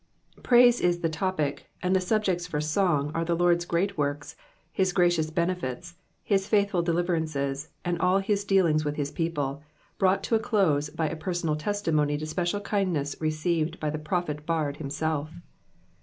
—Praise is the topic, and the subjects for song are Vie Lords greai works, his gracious benefits, his faithful deliverances, aivd all his dealings with his people, brought to a dose by a personal testimony to special kindness received by Vie prophet lxird himself.